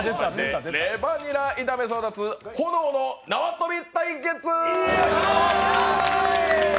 レバニラ炒め争奪炎の縄跳び対決。